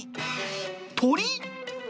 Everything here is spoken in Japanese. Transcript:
鳥？